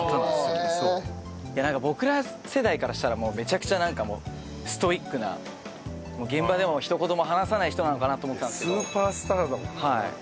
いや僕ら世代からしたらめちゃくちゃなんかもうストイックな現場でもひと言も話さない人なのかなと思ってたんですけど。